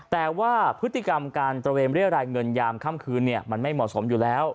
แต่ว่าพฤติกรรมการตระเวนเรียรายเงินยามค่ำคืนมันไม่เหมาะสมอยู่แล้ว